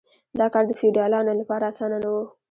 دا کار د فیوډالانو لپاره اسانه نه و.